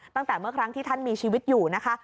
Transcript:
ตั้งแต่เมื่อครั้งที่ท่านมีชีวิตอยู่นะคะ